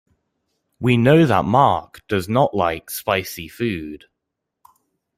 We know that Mark does not like spicy food.